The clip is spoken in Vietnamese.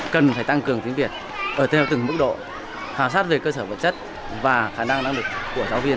cần phải tăng cường tiếng việt ở theo từng mức độ khảo sát về cơ sở vật chất và khả năng năng lực của giáo viên